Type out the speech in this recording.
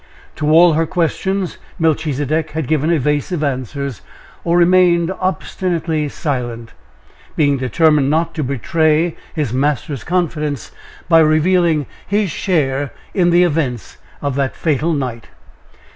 To all her questions, Melchisedek had given evasive answers, or remained obstinately silent, being determined not to betray his master's confidence by revealing his share in the events of that fatal night.